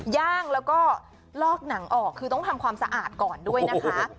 ย่างแล้วก็ลอกหนังออกคือต้องทำความสะอาดก่อนด้วยนะคะ